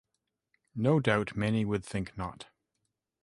No doubt many would think not.